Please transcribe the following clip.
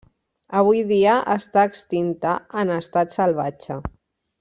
Avui dia està extinta en estat salvatge.